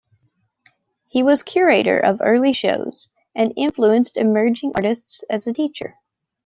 He was curator of early shows, and influenced emerging artists as a teacher.